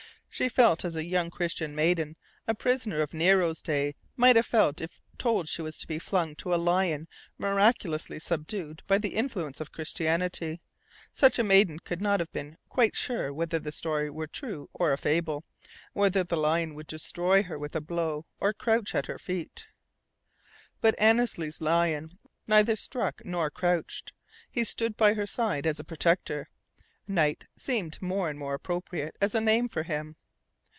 She felt as a young Christian maiden, a prisoner of Nero's day, might have felt if told she was to be flung to a lion miraculously subdued by the influence of Christianity. Such a maiden could not have been quite sure whether the story were true or a fable; whether the lion would destroy her with a blow or crouch at her feet. But Annesley's lion neither struck nor crouched. He stood by her side as a protector. "Knight" seemed more and more appropriate as a name for him.